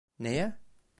Neye?